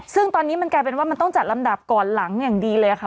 ซึ่งตอนนี้มันกลายเป็นว่ามันต้องจัดลำดับก่อนหลังอย่างดีเลยค่ะ